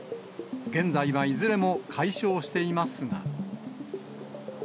現在はいずれも解消していますが。